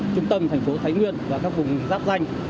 trung tâm thành phố thái nguyên và các vùng giáp danh